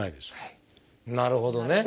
なるほどね。